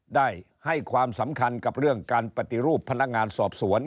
ได้ให้ความสำคัญกับเรื่องการปฏิรูปพนักงานสอบสวน